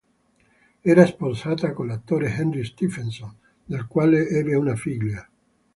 Era sposata con l'attore Henry Stephenson, dal quale ebbe una figlia.